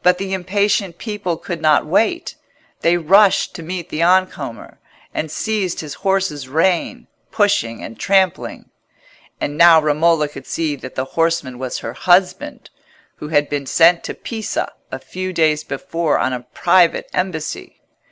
But the impatient people could not wait. They rushed to meet the on comer, and seized his horse's rein, pushing and trampling. And now Romola could see that the horseman was her husband, who had been sent to Pisa a few days before on a private embassy.